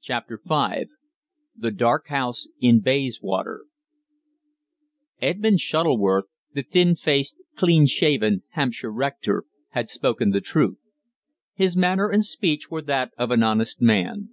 CHAPTER FIVE THE DARK HOUSE IN BAYSWATER Edmund Shuttleworth, the thin faced, clean shaven Hampshire rector, had spoken the truth. His manner and speech were that of an honest man.